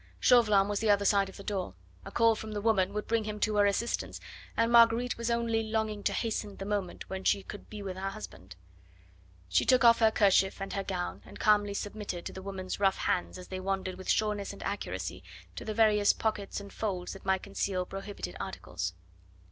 Chauvelin was the other side of the door. A call from the woman would bring him to her assistance, and Marguerite was only longing to hasten the moment when she could be with her husband. She took off her kerchief and her gown and calmly submitted to the woman's rough hands as they wandered with sureness and accuracy to the various pockets and folds that might conceal prohibited articles.